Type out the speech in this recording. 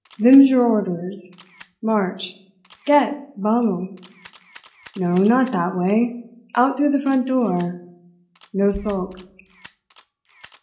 Them's your orders. March! Get, vamos! No, not that way out through the front door. No sulks!"